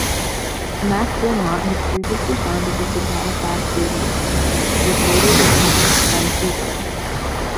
MacDermott had previously founded the Zapata fast-food Mexican chain, which later became Zantigo.